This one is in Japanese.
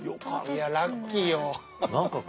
いやラッキーよ。